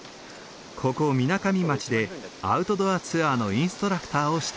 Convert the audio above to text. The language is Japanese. ここみなかみ町でアウトドアツアーのインストラクターをしている。